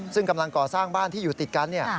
ซึ่งกำลังก่อสร้างบ้านที่อยู่ติดกัน